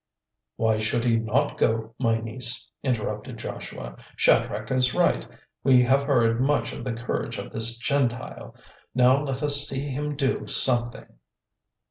"Why should he not go, my niece?" interrupted Joshua. "Shadrach is right; we have heard much of the courage of this Gentile. Now let us see him do something."